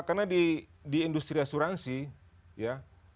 karena di industri asuransi ya